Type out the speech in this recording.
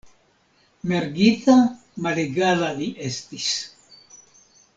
Mergita, malegala li estis!